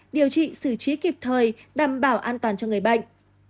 điều trị xử trí kịp thời đảm bảo an toàn cho người bệnh